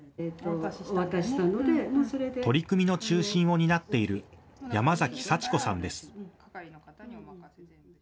取り組みの中心を担っている山崎幸子さんです。